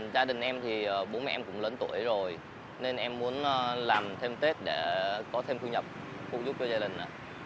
vẫn làm thêm tết để có thêm thu nhập phụ giúp cho gia đình